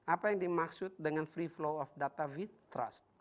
apa yang dimaksud dengan free flow of data fit trust